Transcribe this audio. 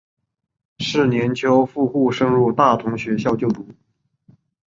是年秋赴沪升入大同学校就读。